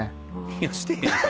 いやしてへんって。